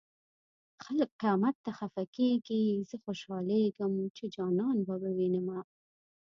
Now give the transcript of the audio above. خلک قيامت ته خفه کيږي زه خوشالېږم چې جانان به ووينمه